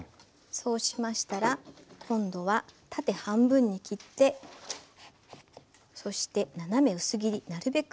そうしましたら今度は縦半分に切ってそして斜め薄切りなるべく